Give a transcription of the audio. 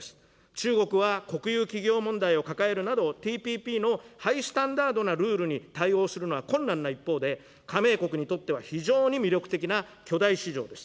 中国は国有企業問題を抱えるなど、ＴＰＰのハイスタンダードなルールに対応するのは困難な一方で、加盟国にとっては非常に魅力的な巨大市場です。